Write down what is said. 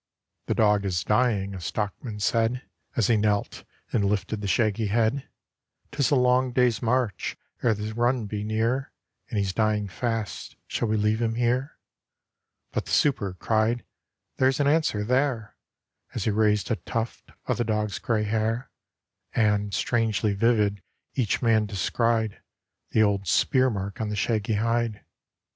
'The dog is dying,' a stockman said, As he knelt and lifted the shaggy head; ''Tis a long day's march ere the run be near, And he's dying fast; shall we leave him here?' But the super cried, 'There's an answer there!' As he raised a tuft of the dog's grey hair; And, strangely vivid, each man descried The old spear mark on the shaggy hide.